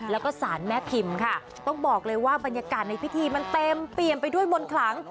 แล้วก็สารแม่พิมพ์ค่ะต้องบอกเลยว่าบรรยากาศในพิธีมันเต็มเปี่ยมไปด้วยมนต์ขลัง